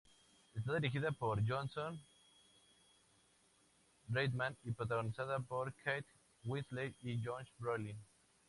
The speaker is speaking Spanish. Está dirigida por Jason Reitman y protagonizada por Kate Winslet y Josh Brolin.